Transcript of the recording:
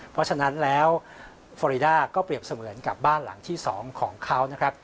เพราะฉะนั้นแล้วฟอรีด้าก็เปรียบเสมือนกับบ้านหลังที่๒ของเขานะครับ